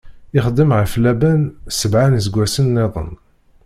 Ixdem ɣef Laban sebɛa n iseggasen-nniḍen.